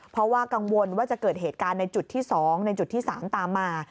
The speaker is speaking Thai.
เพราะว่ากังวลว่าจะเกิดเหตุการณ์ในจุดที่๒ในจุดที่๓ตามมา